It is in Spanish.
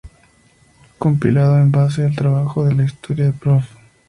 Compilado en base al trabajo del historiador prof.